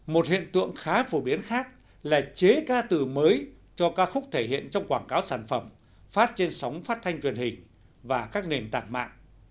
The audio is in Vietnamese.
một hiện tượng khá phổ biến khác là chế ca từ mới cho ca khúc thể hiện trong quảng cáo sản phẩm phát trên sóng phát thanh truyền hình và các nền tảng mạng